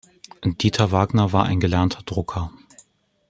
Dieter Wagner war ein gelernter Drucker.